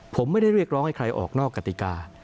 ผมไม่ได้เรียกร้องให้ใครออกนอกกติกา